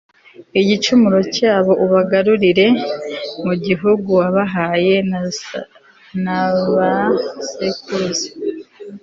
igicumuro cyabo, ubagarurire mu gihugu wabahanye na ba sekuruza